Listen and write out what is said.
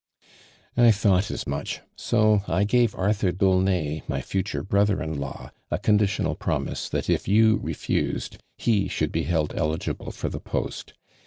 " I thought as much: so 1 gave Arthur D'Aulnay, my future brother in law, a conditional promise that if you refused, he should be held eligible for the post.